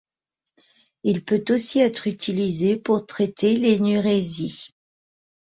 Il peut aussi être utilisé pour traiter l'énurésie.